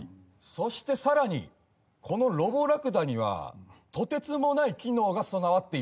そして更にこのロボラクダにはとてつもない機能が備わっています。